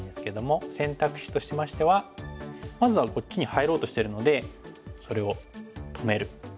選択肢としましてはまずはこっちに入ろうとしてるのでそれを止める。